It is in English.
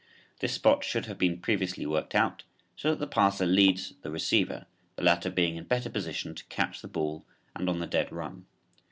This spot should have been previously worked out so that the passer "leads" the receiver, the latter being in better position to catch the ball and on the dead run.